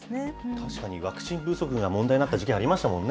確かにワクチン不足が問題になった時期がありましたもんね。